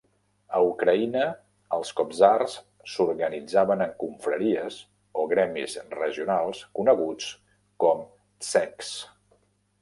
A Ucraïna, els kobzars s"organitzaven en confraries o gremis regionals coneguts com tsekhs.